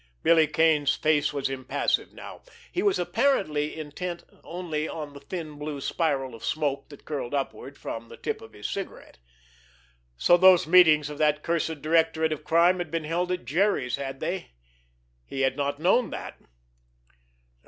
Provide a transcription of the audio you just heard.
Billy Kane's face was impassive now. He was apparently intent only on the thin blue spiral of smoke that curled upward from the tip of his cigarette. So those meetings of that cursed directorate of crime had been held at Jerry's, had they? He had not known that.